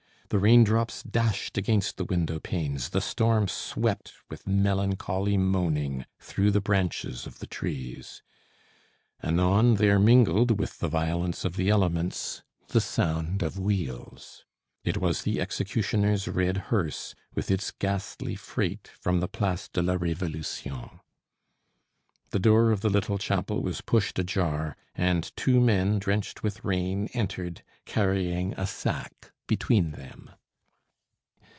The rain drops dashed against the window panes, the storm swept with melancholy moaning through the branches of the trees. Anon there mingled with the violence of the elements the sound of wheels. It was the executioner's red hearse with its ghastly freight from the Place de la Révolution. The door of the little chapel was pushed ajar, and two men, drenched with rain, entered, carrying a sack between them.